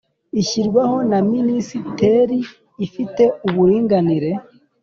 Ishyirwaho na minisiteri ifite uburinganire